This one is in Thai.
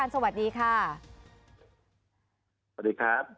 สวัสดีครับ